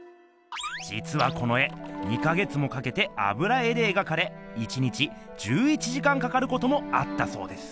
じつはこの絵２か月もかけて油絵で描かれ１日１１時間かかることもあったそうです。